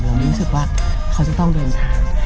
รู้สึกว่าเขาจะต้องเดินทาง